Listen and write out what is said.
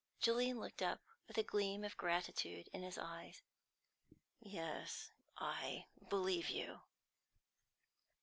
Julian looked up with a gleam of gratitude in his eyes. "Yes, I believe you!"